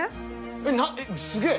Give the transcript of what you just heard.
えっすげぇ。